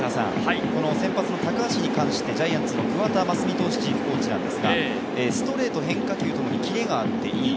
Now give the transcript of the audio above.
先発を高橋に関してジャイアンツの桑田真澄投手チーフコーチなんですが、ストレート、変化球ともにキレがあっていい。